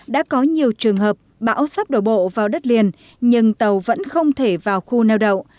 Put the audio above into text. đã có nhiều trường hợp bão sắp đổ bộ vào đất liền nhưng tàu vẫn không thể vào khu neo đậu